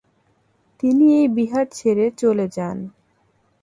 তিনি এই বিহার ছেড়ে চলে যান।